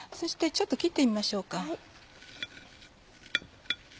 ちょっと切ってみましょうか。